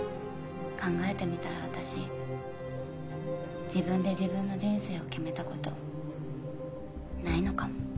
考えてみたら私自分で自分の人生を決めた事ないのかも。